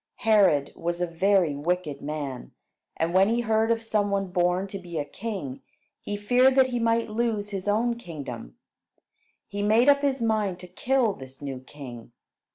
Herod was a very wicked man, and when he heard of some one born to be a king, he feared that he might lose his own kingdom. He made up his mind to kill this new king.